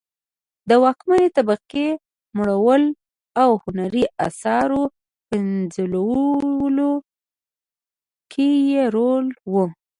د واکمنې طبقې مړولو او هنري اثارو پنځولو کې یې رول و